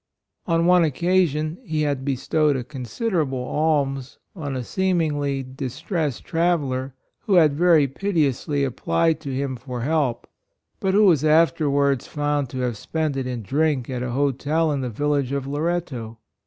On one occasion he had bestowed a considerable alms, on a seemingly distressed traveller who had very piteously applied to him for help, but who was afterwards found to have spent it in drink at a hotel in the village of Loretto.